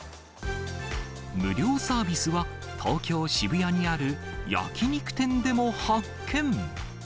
無料サービスは、東京・渋谷にある焼き肉店でも発見。